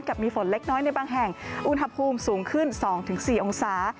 มีฝนเล็กน้อยในบางแห่งอุณหภูมิสูงขึ้น๒๔องศา